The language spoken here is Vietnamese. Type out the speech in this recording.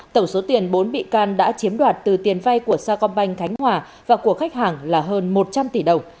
tổng số tiền bốn bị can đã chiếm đoạt từ tiền vai của sa công banh khánh hòa và của khách hàng là hơn một trăm linh tỷ đồng